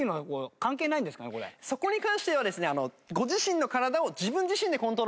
そこに関してはですね